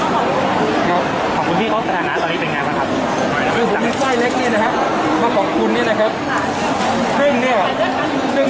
ขอบคุณหมอครับ